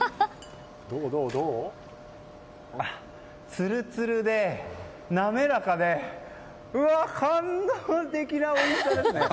つるつるで、なめらかで感動的な美味しさですね。